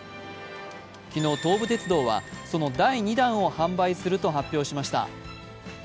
昨日、東武鉄道はその第２弾を販売すると発表しました。